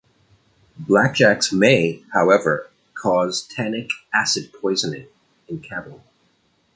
Blackjacks may, however, cause tannic acid poisoning in cattle.